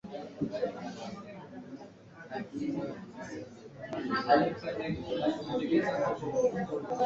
hatuna budi kupambana na kila hali ili kuwanusuru twiga hawa Maeneo ya kusini mwa